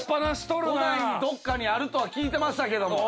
都内にどっかにあるとは聞いてましたけども。